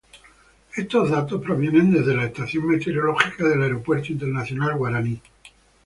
Estos datos provienen desde la estación meteorológica del Aeropuerto Internacional Guaraní.